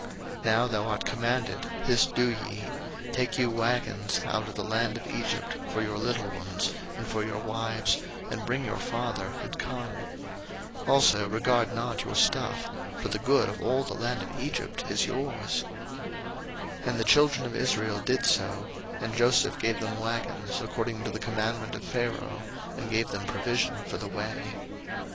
01:045:019 Now thou art commanded, this do ye; take you wagons out of the land of Egypt for your little ones, and for your wives, and bring your father, and come. 01:045:020 Also regard not your stuff; for the good of all the land of Egypt is your's. 01:045:021 And the children of Israel did so: and Joseph gave them wagons, according to the commandment of Pharaoh, and gave them provision for the way.